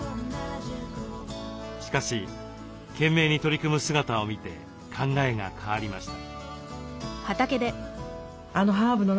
しかし懸命に取り組む姿を見て考えが変わりました。